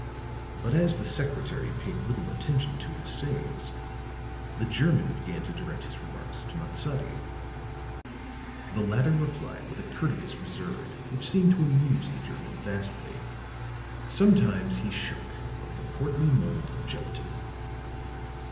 But as the secretary paid little attention to his sayings, the German began to direct his remarks to Matsadi. The latter replied with a courteous reserve which seemed to amuse the German vastly; sometimes he shook like a portly mould of gelatine.